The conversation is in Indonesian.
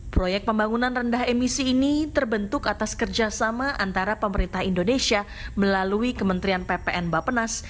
proyek pembangunan rendah emisi ini terbentuk atas kerjasama antara pemerintah indonesia melalui kementerian ppn bapenas